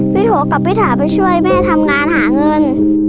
โถกับพี่ถาไปช่วยแม่ทำงานหาเงิน